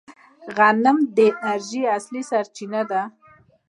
غنم د انرژۍ اصلي سرچینه ده.